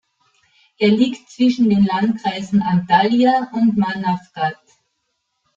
Er liegt zwischen den Landkreisen Antalya und Manavgat.